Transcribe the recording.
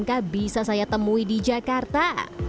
apakah bisa saya temui di jakarta